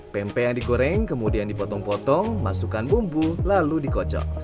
pempek yang dikoreng kemudian dipotong potong masukkan bumbu lalu dikocok